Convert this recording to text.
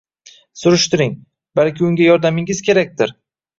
Surishtiring – balki unga yordamingiz kerakdir?